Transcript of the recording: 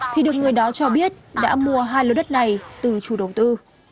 thì được người đó cho biết đã mua hai lô đất này từ chủ đầu tư